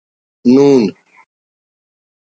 نون